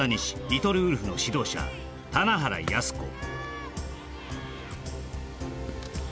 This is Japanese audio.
リトルウルフの指導者棚原安子